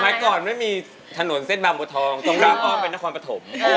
สมัยก่อนไม่มีถนนเส้นบางบัวทองตรงหน้าอ้อมเป็นนครปฐม